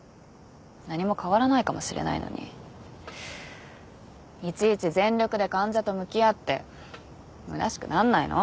何も変わらないかもしれないのにいちいち全力で患者と向き合ってむなしくなんないの？